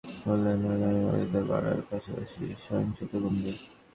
নারীর অবদান, কাজের সঠিক মূল্যায়ন হলে নারীর মর্যাদা বাড়ার পাশাপাশি সহিংসতা কমবে।